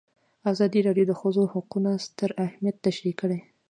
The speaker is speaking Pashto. ازادي راډیو د د ښځو حقونه ستر اهميت تشریح کړی.